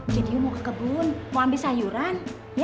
video mau ke kebun mau ambil sayuran